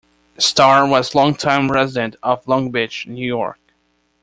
Stahr was longtime resident of Long Beach, New York.